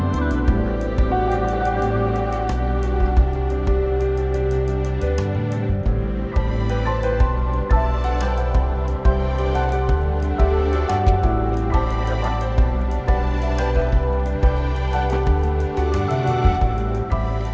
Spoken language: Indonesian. terima kasih pak